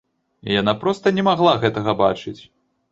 Яна проста не магла гэтага бачыць!